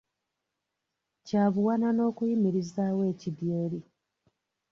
Kya buwanana okuyimirizaawo ekidyeri.